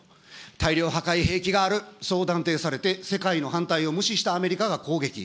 大量破壊兵器がある、そう断定されて世界の反対を無視したアメリカが攻撃。